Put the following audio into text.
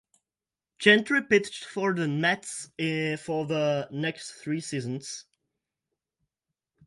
Gentry pitched for the Mets for the next three seasons.